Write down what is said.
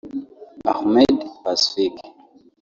Ahmed Pacifique